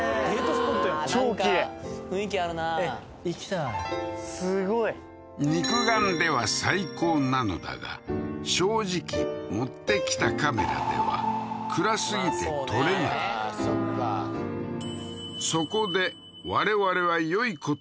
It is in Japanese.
スポットやん雰囲気あるな行きたいすごい肉眼では最高なのだが正直持ってきたカメラでは暗すぎて撮れないそっかそこで何？